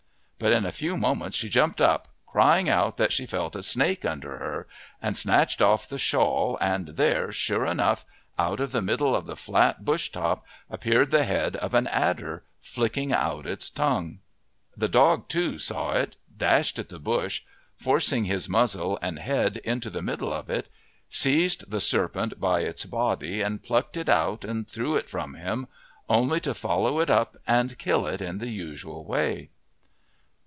But in a few moments she jumped up, crying out that she felt a snake under her, and snatched off the shawl, and there, sure enough, out of the middle of the flat bush top appeared the head of an adder, flicking out its tongue. The dog, too, saw it, dashed at the bush, forcing his muzzle and head into the middle of it, seized the serpent by its body and plucked it out and threw it from him, only to follow it up and kill it in the usual way.